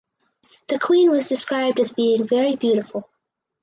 The Queen was described as being "Very beautiful".